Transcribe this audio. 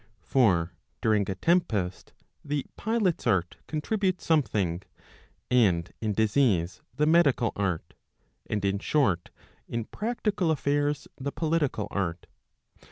For during a tempest, the pilot's art contributes something, and in disease the medical art, and in short, in practical affairs, the political art.'